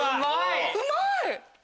うまい！